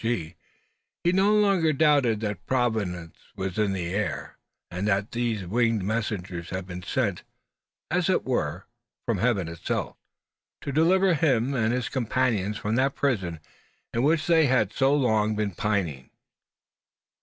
B.G. he no longer doubted that Providence was in the plot; and that these winged messengers had been sent, as it were, from Heaven itself, to deliver him and his companions from that prison in which they had so long been pining.